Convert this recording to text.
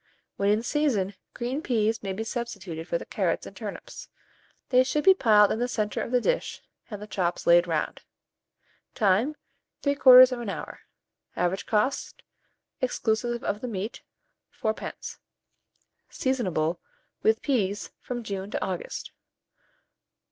When in season, green peas may be substituted for the carrots and turnips: they should be piled in the centre of the dish, and the chops laid round. Time. 3/4 hour. Average cost, exclusive of the meat, 4d. Seasonable, with peas, from June to August.